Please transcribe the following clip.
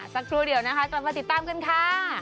สักครู่เดียวนะคะกลับมาติดตามกันค่ะ